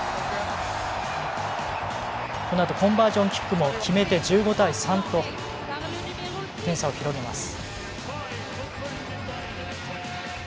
このあとコンバージョンキックも決めて１５対３と点差を広げます。